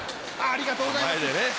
ありがとうございます。